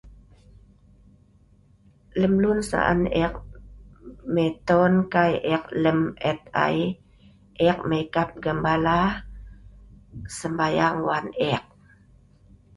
Lem lun si an ek miton kai ek lem et ai, ek mai kap gembala sembayang wan ek.